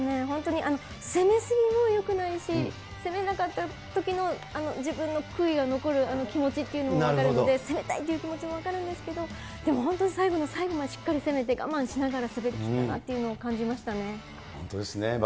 本当に攻め過ぎもよくないし、攻めなかったときの自分の悔いが残るあの気持ちっていうのも分かるので、攻めたいって気持ちも分かるんですけど、でも本当に、最後の最後までしっかり攻めて我慢しながら滑りきったなっていう本当ですね。